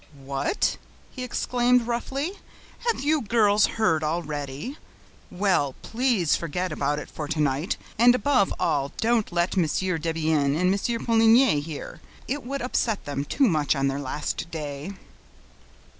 "What!" he exclaimed roughly. "Have you girls heard already? Well, please forget about it for tonight and above all don't let M. Debienne and M. Poligny hear; it would upset them too much on their last day."